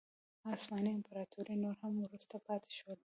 عثماني امپراتوري نور هم وروسته پاتې شول.